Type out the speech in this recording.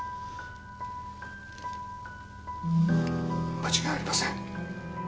間違いありません。